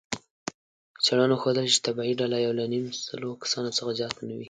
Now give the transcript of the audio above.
څېړنو ښودلې، چې طبیعي ډله له یونیمسلو کسانو څخه زیاته نه وي.